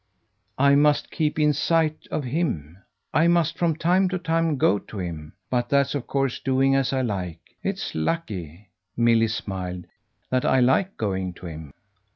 "I must keep in sight of him. I must from time to time go to him. But that's of course doing as I like. It's lucky," Milly smiled, "that I like going to him."